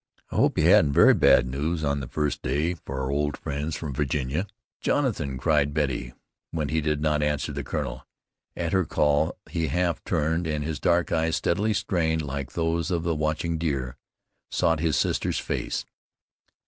"I hope you haven't very bad news on the first day, for our old friends from Virginia." "Jonathan," cried Betty when he did not answer the colonel. At her call he half turned, and his dark eyes, steady, strained like those of a watching deer, sought his sister's face.